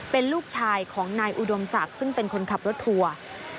เป็นลูกชายของนายอุดมศักดิ์ซึ่งเป็นคนขับรถทัวร์